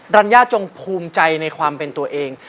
รัญญาจงภูมิใจในความเป็นตัวเอง